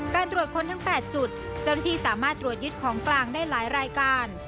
การตรวจคนทั้ง๘จุดจริธีสามารถตรวจยึดของกลางได้หลายรายการ